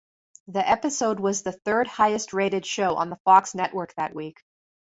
The episode was the third highest rated show on the Fox network that week.